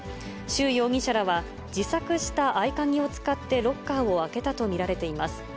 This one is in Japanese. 周容疑者らは、自作した合鍵を使って、ロッカーを開けたと見られています。